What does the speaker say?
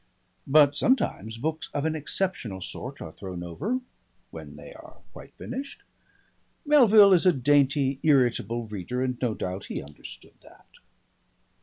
But sometimes books of an exceptional sort are thrown over when they are quite finished. (Melville is a dainty irritable reader and no doubt he understood that.)